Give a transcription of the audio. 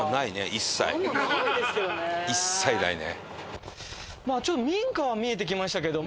一切ないね。